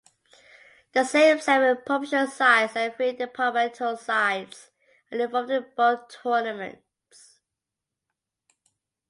The same seven provincial sides and three departmental sides are involved in both tournaments.